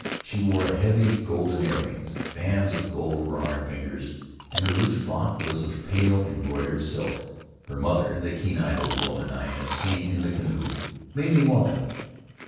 She wore heavy golden earrings; bands of gold were on her fingers, and her loose frock was of pale embroidered silk. Her mother — the keen eyed old woman I had seen in the canoe — made me welcome.